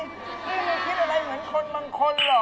ไม่ต้องคิดอะไรเหมือนคนบางคนหรอก